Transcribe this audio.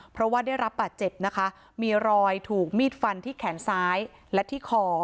เพราะว่าได้รับบาดเจ็บนะคะมีรอยถูกมีดฟันที่แขนซ้ายและที่คอ